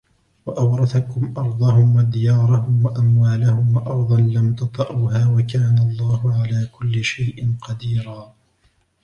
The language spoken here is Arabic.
وأورثكم أرضهم وديارهم وأموالهم وأرضا لم تطئوها وكان الله على كل شيء قديرا